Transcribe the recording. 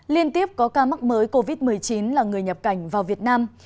liên tiếp có ca mắc mới covid một mươi chín là người nhập cảnh vào việt nam